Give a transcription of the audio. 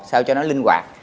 sao cho nó linh hoạt